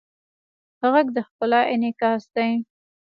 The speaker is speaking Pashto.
غږ د ښکلا انعکاس دی